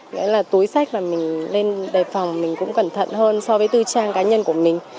nghĩa là túi sách mà mình lên đề phòng mình cũng cẩn thận hơn so với tư trang cá nhân của mình